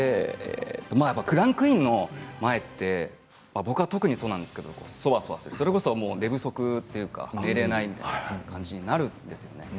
クランクインの前って僕は特にそうなんですけどそわそわするそれこそ、寝不足というか寝られないという話になるんですよね。